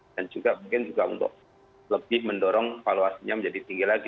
dan juga mungkin untuk lebih mendorong valuasinya menjadi tinggi lagi